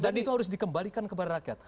jadi itu harus dikembalikan kepada rakyat